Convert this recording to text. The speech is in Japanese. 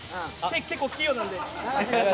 結構器用なんで。